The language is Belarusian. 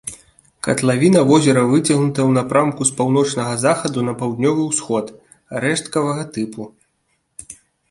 Катлавіна возера выцягнутая ў напрамку з паўночнага захаду на паўднёвы ўсход, рэшткавага тыпу.